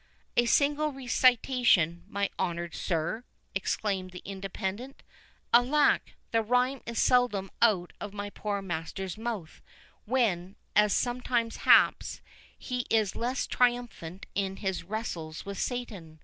"A single recitation, my honoured sir?" exclaimed the Independent— "alack, the rhyme is seldom out of my poor master's mouth, when, as sometimes haps, he is less triumphant in his wrestles with Satan.